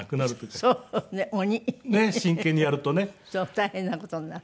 大変な事になる。